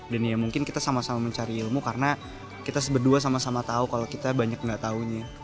dan ya mungkin kita sama sama mencari ilmu karena kita seberdua sama sama tahu kalau kita banyak nggak tahunya